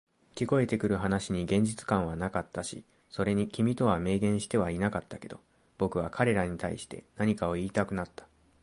聞こえてくる話に現実感はなかったし、それに君とは明言してはいなかったけど、僕は彼らに対して何かを言いたくなった。